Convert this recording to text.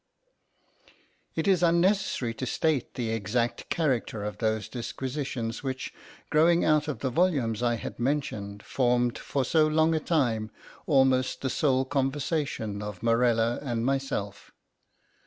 It is unnecessary to state the exact character of those disquisitions which, growing out of the volumes I have mentioned, formed, for so long a time, almost the sole conversation of Morella and myself.